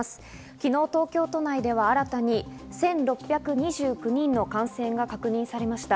昨日、東京都内では新たに１６２９人の感染が確認されました。